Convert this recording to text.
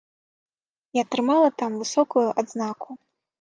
І атрымала там высокую адзнаку.